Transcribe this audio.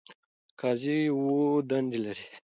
قاضی اووه دندې لري.